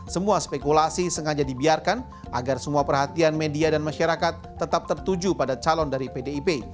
semua spekulasi sengaja dibiarkan agar semua perhatian media dan masyarakat tetap tertuju pada calon dari pdip